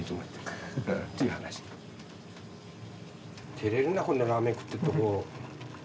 てれるなこんなラーメン食ってるところ。